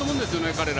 彼ら。